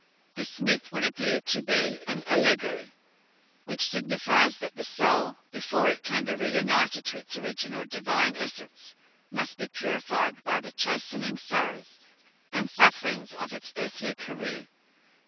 This myth would appear to be an allegory, which signifies that the soul, before it can be reunited to its original divine essence, must be purified by the chastening sorrows and sufferings of its earthly career.